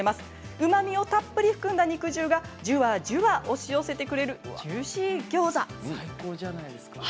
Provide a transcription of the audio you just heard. うまみをたっぷり含んだ肉汁がじゅわじゅわ押し寄せてくる最高じゃないですか。